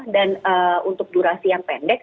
dan untuk durasi yang pendek